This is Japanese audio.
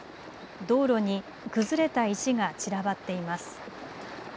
道路に崩れた石が散らばっています。